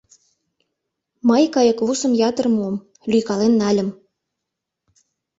Мый кайыквусым ятыр муым, лӱйкален нальым;